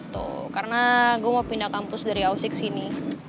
tuh karena gue mau pindah kampus dari ausi ke sini